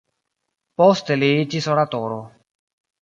Poste li iĝis oratoro.